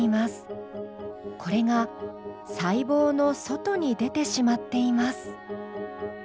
これが細胞の外に出てしまっています。